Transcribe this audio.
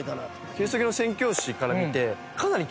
キリスト教の宣教師から見て。